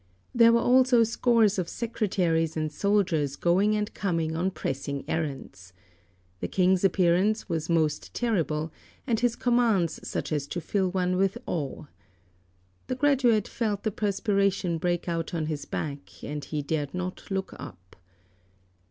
There were also scores of secretaries and soldiers going and coming on pressing errands. The King's appearance was most terrible, and his commands such as to fill one with awe. The graduate felt the perspiration break out on his back, and he dared not look up.